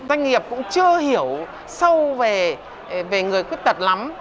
doanh nghiệp cũng chưa hiểu sâu về người khuyết tật lắm